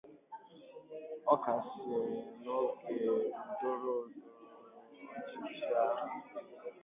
ọkachasị n'oge ndọrọndọrọ ọchịchị a